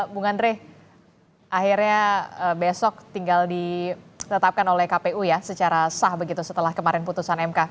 bung andre akhirnya besok tinggal ditetapkan oleh kpu ya secara sah begitu setelah kemarin putusan mk